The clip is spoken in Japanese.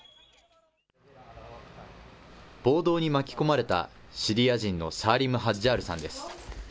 暴動に巻き込まれた、シリア人のサーリム・ハッジャールさんです。